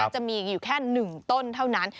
จะมีอยู่แค่๑ต้นเท่านั้น